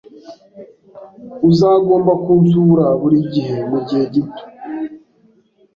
Uzagomba kunsura buri gihe mugihe gito.